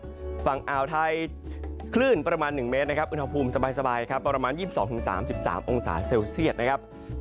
ฝั่งอ่าวไทยคลื่นประมาณ๑เมตรนะครับอุณหภูมิสบายครับประมาณ๒๒๓๓องศาเซลเซียตนะครับ